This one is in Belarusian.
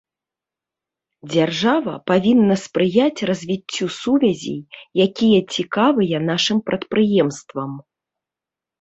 Дзяржава павінна спрыяць развіццю сувязей, якія цікавыя нашым прадпрыемствам.